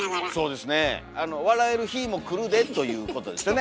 あの「笑える日も来るで」ということですよね。